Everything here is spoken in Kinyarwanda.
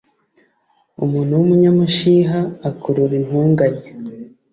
umuntu w'umunyamushiha akurura intonganya